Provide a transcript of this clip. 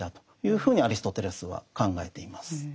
ふうにアリストテレスは考えています。